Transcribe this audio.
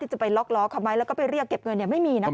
ที่จะไปล็อกเขาไว้แล้วก็ไปเรียกเก็บเงินไม่มีนะครับ